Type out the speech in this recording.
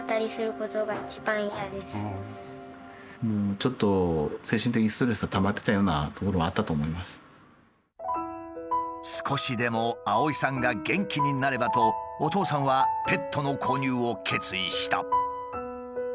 ちょっと少しでも碧さんが元気になればとお父さんはペットの購入を決意した。